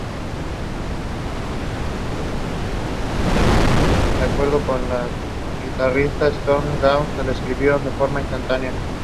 Ocasionalmente se registra su presencia en las zonas suburbanas de Hobart.